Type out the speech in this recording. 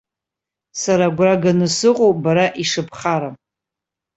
Сара агәра ганы сыҟоуп бара ишыбхарам.